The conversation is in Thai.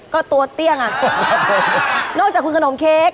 ก็ตัวเตี้ยงน่าจะคุณขนมเค้ก